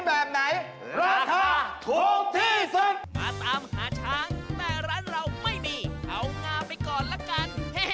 แล้วของจมผสมงาดำ